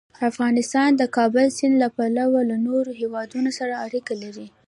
افغانستان د د کابل سیند له پلوه له نورو هېوادونو سره اړیکې لري.